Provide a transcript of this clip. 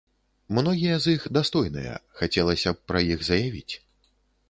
Многія з іх дастойныя, хацелася б пра іх заявіць.